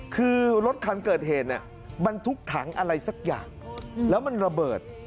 คือรถคันเกิดเหตุบรรทุกถังอะไรสักอย่างแล้วมันระเบิด